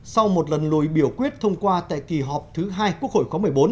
sau một lần lùi biểu quyết thông qua tại kỳ họp thứ hai quốc hội khóa một mươi bốn